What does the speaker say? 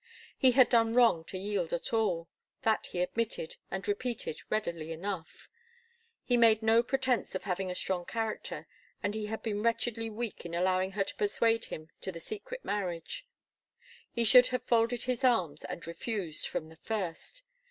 He had done wrong to yield at all. That he admitted, and repeated, readily enough. He made no pretence of having a strong character, and he had been wretchedly weak in allowing her to persuade him to the secret marriage. He should have folded his arms and refused, from the first.